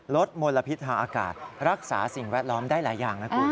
มลพิษทางอากาศรักษาสิ่งแวดล้อมได้หลายอย่างนะคุณ